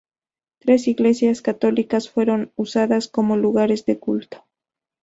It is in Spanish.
Tres iglesias católicas fueron usadas como lugares de culto.